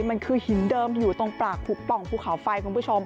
มันคือหินเดิมอยู่ตรงปากหุบป่องภูเขาไฟคุณผู้ชม